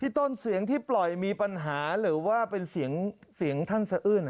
ต้นเสียงที่ปล่อยมีปัญหาหรือว่าเป็นเสียงท่านสะอื้น